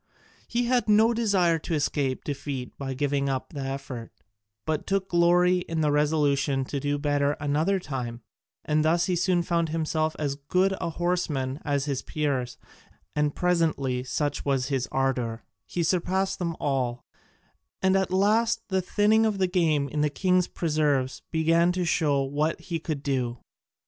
He had no desire to escape defeat by giving up the effort, but took glory in the resolution to do better another time, and thus he soon found himself as good a horseman as his peers, and presently, such was his ardour, he surpassed them all, and at last the thinning of the game in the king's preserves began to show what he could do.